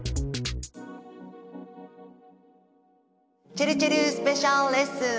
ちぇるちぇるスペシャルレッスン。